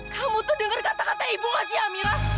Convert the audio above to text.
kamu tuh denger kata kata ibu gak sih amira